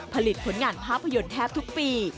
ผลงานภาพยนตร์แทบทุกปี